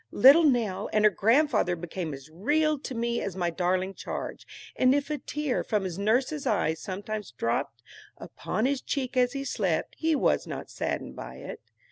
Little Nell and her grandfather became as real to me as my darling charge, and if a tear from his nurse's eyes sometimes dropped upon his cheek as he slept, he was not saddened by it.